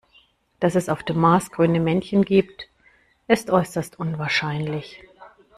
Dass es auf dem Mars grüne Männchen gibt, ist äußerst unwahrscheinlich.